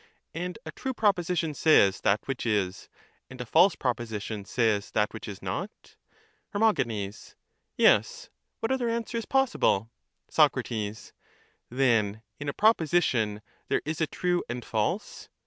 And a true proposition says that which is, and a false proposition says that which is not? Her. Yes ; what other answer is possible ? Soc. Then in a proposition there is a true and false?